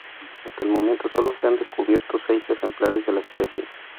Hasta el momento, sólo se han descubierto seis ejemplares de la especie.